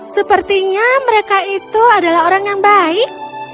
sepertinya mereka itu adalah orang yang baik